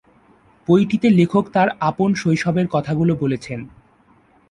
বইটিতে লেখক তার আপন শৈশবের কথাগুলো বলেছেন।